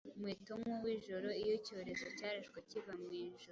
umuheto nkuw'ijoro, Iyo icyorezo cyarashwe kiva mwijuru: